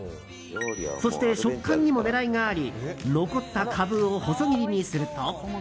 そして食感にも狙いがあり残ったカブを細切りにすると。